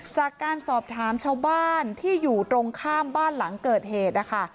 จากการสอบถามชาวบ้านที่อยู่ตรงข้ามบ้านหลังเกิดเหตุนะคะ